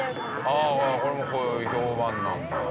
ああこれも評判なんだ。